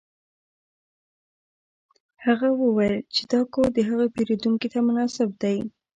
هغه وویل چې دا کور د هغه پیرودونکي ته مناسب دی